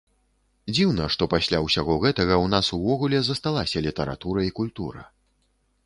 Дзіўна, што пасля ўсяго гэтага ў нас увогуле засталася літаратура і культура.